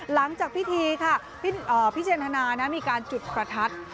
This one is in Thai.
หลังจากพิธีค่ะพี่เจนทนามีการจุดประทัด